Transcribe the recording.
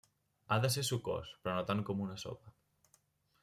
Ha de ser sucós, però no tant com una sopa.